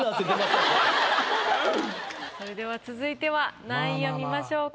それでは続いては何位を見ましょうか？